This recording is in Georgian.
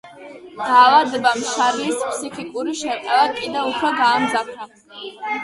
დაავადებამ შარლის ფსიქიკური შერყევა კიდევ უფრო გაამძაფრა.